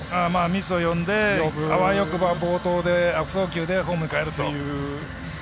ミスを呼んであわよくば暴投で悪送球でホームにかえると。